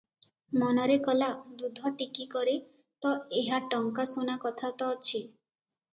ମନରେ କଲା, ଦୁଧ ଟିକିକରେ ତ ଏହା'ଟଙ୍କା ସୁନା କଥା ତ ଅଛି ।